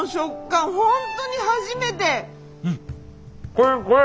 これこれ！